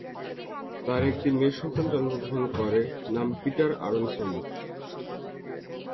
তার একটি মেয়ে সন্তান জন্ম গ্রহণ করে, নাম পিটার আরোনসোন।